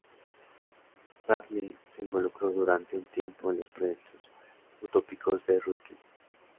Bradley se involucró durante un tiempo en los proyectos utópicos de Ruskin.